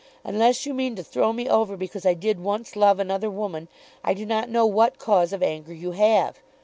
Unless you mean to throw me over because I did once love another woman, I do not know what cause of anger you have.